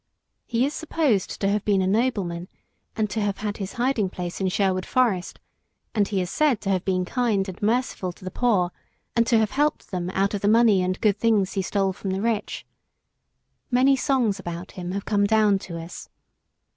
He is supposed to have been a nobleman, and to have had his hiding place in Sherwood Forest, and he is said to have been kind and merciful to the poor, and to have helped them out of the money and good things he stole from the rich. Many songs about him have come down to us.